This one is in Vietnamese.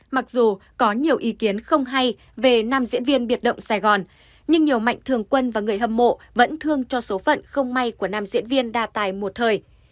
mặc dù có nhiều ý kiến không hay về nam diễn viên biệt động sài gòn nhưng nhiều mạnh thường quân và người hâm mộ vẫn thương cho số phận không may của nam diễn viên đa tài một thời